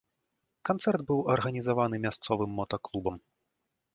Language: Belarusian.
Канцэрт быў арганізаваны мясцовым мотаклубам.